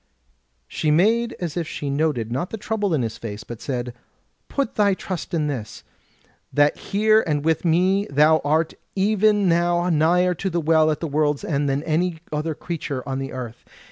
She made as if she noted not the trouble in his face, but said: "Put thy trust in this, that here and with me thou art even now nigher to the Well at the World's End than any other creature on the earth.